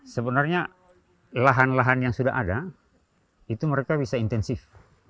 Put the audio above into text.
sebenarnya lahan lahan yang sudah ada itu mereka bisa intensif